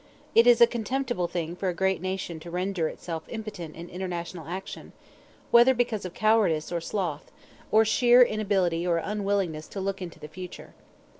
It is a contemptible thing for a great nation to render itself impotent in international action, whether because of cowardice or sloth, or sheer inability or unwillingness to look into the future.